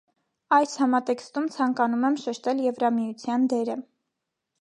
Այս համատեքստում, ցանկանում եմ շեշտել Եվրամիության դերը։